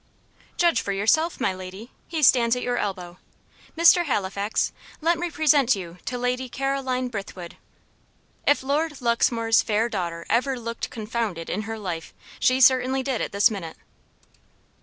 "Judge for yourself, my lady he stands at your elbow. Mr. Halifax, let me present you to Lady Caroline Brithwood." If Lord Luxmore's fair daughter ever looked confounded in her life she certainly did at this minute.